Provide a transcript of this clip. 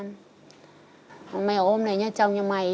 mẹ ôm này nhà chồng nhà mày